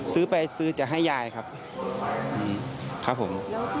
ซื้อไปซื้อจะให้ยายครับครับผม